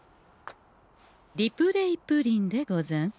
リプレイプリンでござんす。